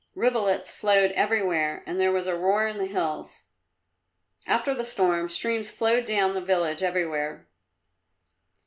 Rivulets flowed everywhere and there was a roar in the hills. After the storm streams flowed down the village everywhere.